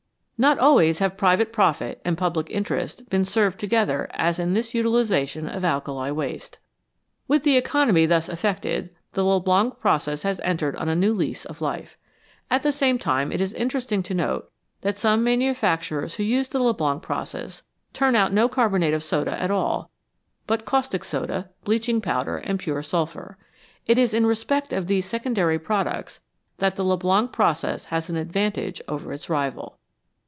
Not always have private profit and public interest been served together as in this utilisation of alkali waste. With the economy thus effected, the Leblanc process has entered on a new lease of life. At the same time it is interesting to note that some manufacturers who use the Leblanc process turn out no carbonate of soda at all, but caustic soda, bleaching powder, and pure sulphur. It is in respect of these secondary products that the Leblanc process has an advantage over its rival.